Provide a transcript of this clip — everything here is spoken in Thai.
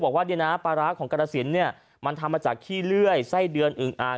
บอกว่าเนี่ยนะปลาร้าของกรสินเนี่ยมันทำมาจากขี้เลื่อยไส้เดือนอึงอ่าง